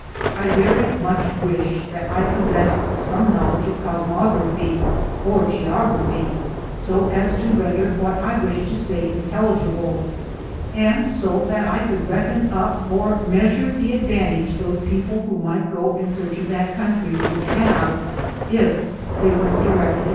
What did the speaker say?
I test much wish that I possessed some knowledge of cosmography or geography, so as to render what I wish to say intelligible, and so that I could reckon up or measure the advantage those people who might go in search of that country would have if they went directly through the center of the ■Scattered through the papers of Br.